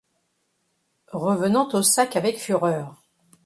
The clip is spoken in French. Revenant au sac avec fureur.